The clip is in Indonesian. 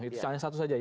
itu hanya satu saja